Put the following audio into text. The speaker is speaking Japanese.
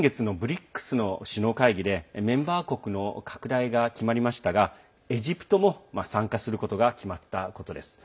先月のＢＲＩＣＳの首脳会議でメンバー国の拡大が決まりましたがエジプトも参加することが決まったことです。